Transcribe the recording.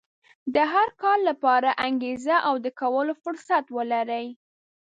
د هر کار لپاره انګېزه او د کولو فرصت ولرئ.